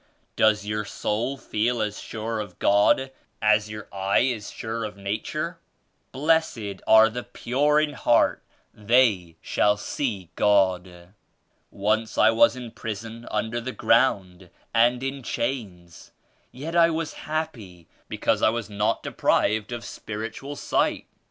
Does your soul feel as sure of God as your eye is sure of Nature? 'Blessed are the pure in heart; they shall see God.' Once I was in prison under the ground and in chains, yet I was happy because I was not deprived of spiritual sight.